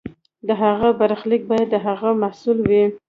د هغه برخلیک باید د هغه محصول وي.